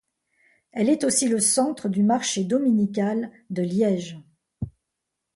Elle est aussi le centre du marché dominical de Liège.